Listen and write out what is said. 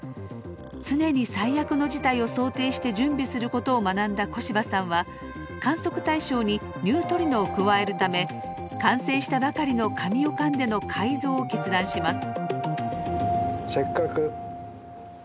常に最悪の事態を想定して準備することを学んだ小柴さんは観測対象にニュートリノを加えるため完成したばかりのカミオカンデの改造を決断します。